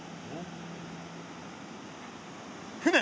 船？